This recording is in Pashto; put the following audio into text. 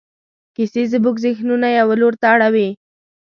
کیسې زموږ ذهنونه یوه لور ته اړوي.